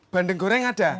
bu bandeng goreng ada